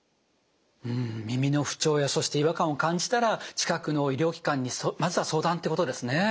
耳の不調やそして違和感を感じたら近くの医療機関にまずは相談ってことですね。